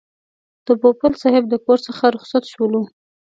د پوپل صاحب د کور څخه رخصت شولو.